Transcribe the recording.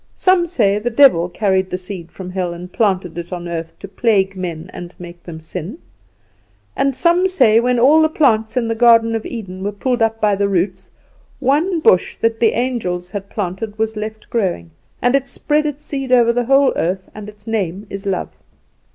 Some say the devil carried the seed from hell and planted it on the earth to plague men and make them sin; and some say, that when all the plants in the garden of Eden were pulled up by the roots, one bush that the angels planted was left growing, and it spread its seed over the whole earth, and its name is love.